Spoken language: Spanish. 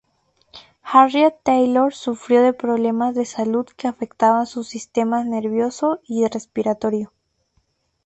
Harriet Taylor sufrió de problemas de salud que afectaban sus sistemas nervioso y respiratorio.